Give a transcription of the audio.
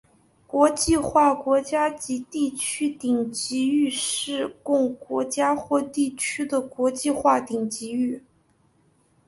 国际化国家及地区顶级域是供国家或地区的国际化顶级域。